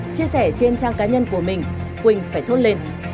chia sẻ trên trang cá nhân của mình quỳnh phải thốt lên